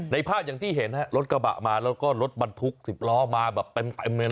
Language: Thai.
ในภาพอย่างที่เห็นรถกระบะมาแล้วก็รถบรรทุก๑๐ล้อมาแปม